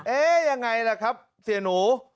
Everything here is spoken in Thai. ยังไงล่ะครับเสียหนู